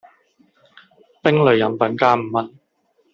冰類飲品加五文